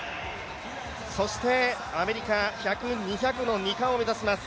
そしてアメリカ、１００、２００の２冠を目指します